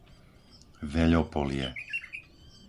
Veľopolie